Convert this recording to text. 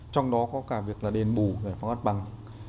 trong đó có cả việc là đền bù phóng áp bằng